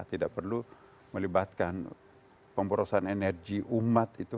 tidak perlu melibatkan pemborosan energi umat itu